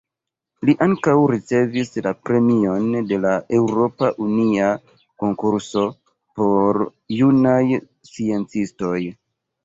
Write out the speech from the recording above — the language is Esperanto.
Li ankaŭ ricevis la premion de la Eŭropa Unia Konkurso por Junaj Sciencistoj.